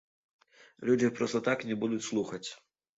Людзі проста так не будуць слухаць.